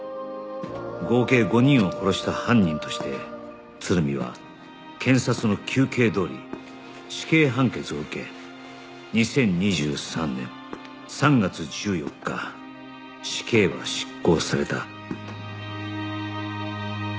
合計５人を殺した犯人として鶴見は検察の求刑どおり死刑判決を受け２０２３年３月１４日死刑は執行された